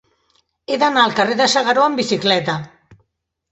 He d'anar al carrer de S'Agaró amb bicicleta.